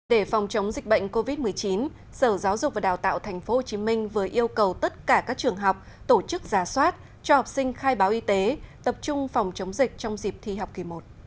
để phòng chống dịch bệnh covid một mươi chín sở giáo dục và đào tạo tp hcm vừa yêu cầu tất cả các trường học tổ chức giả soát cho học sinh khai báo y tế tập trung phòng chống dịch trong dịp thi học kỳ một